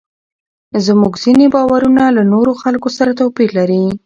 زموږ ځینې باورونه له نورو خلکو سره توپیر لري.